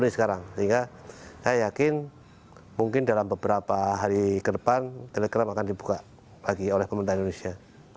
sehingga saya yakin mungkin dalam beberapa hari ke depan telegram akan dibuka lagi oleh pemerintah indonesia